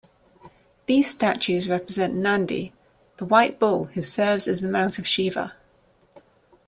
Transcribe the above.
These statues represent Nandi, the white bull who serves as the mount of Shiva.